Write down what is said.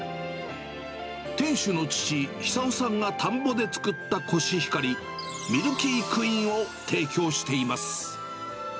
店主の父、久夫さんが田んぼで作ったコシヒカリ、ミルキークイーンを提供しています。